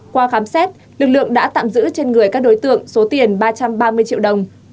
qua khám xét lực lượng đã tạm giữ trên người các đối tượng số tiền ba trăm ba mươi triệu đồng